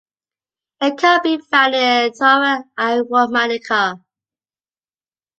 It can be found in "Thauera aromatica".